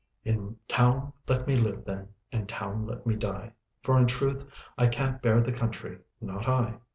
"In town let me live then, In town let me die. For in truth I can't bear the country, not I.